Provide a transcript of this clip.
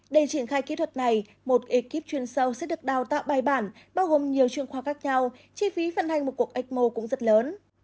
để triển khai kỹ thuật này một ekip chuyên sâu sẽ được đào tạo bài bản bao gồm nhiều chuyên khoa khác nhau chi phí vận hành một cuộc ecmo cũng rất lớn